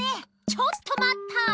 ちょっとまった！